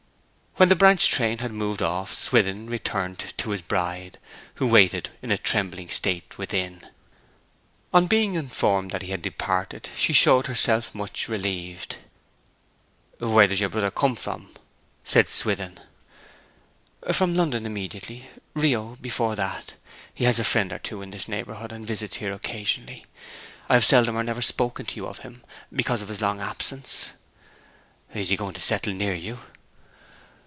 When the branch train had moved off Swithin returned to his bride, who waited in a trembling state within. On being informed that he had departed she showed herself much relieved. 'Where does your brother come from?' said Swithin. 'From London, immediately. Rio before that. He has a friend or two in this neighbourhood, and visits here occasionally. I have seldom or never spoken to you of him, because of his long absence.' 'Is he going to settle near you?'